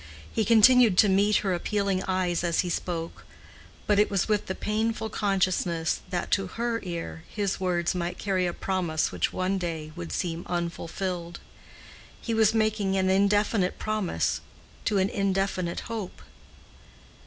He continued to meet her appealing eyes as he spoke, but it was with the painful consciousness that to her ear his words might carry a promise which one day would seem unfulfilled: he was making an indefinite promise to an indefinite hope.